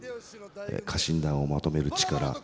家臣団をまとめる力。